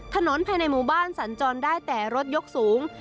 ถนนภายในหมู่บ้านสัญจรได้แต่รถยกสูง